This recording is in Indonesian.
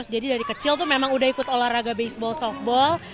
jadi dari kecil tuh memang udah ikut olahraga baseball softball